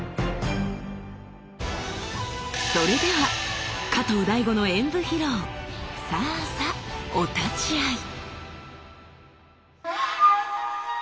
それでは加藤大悟の演武披露さあさお立ちあい。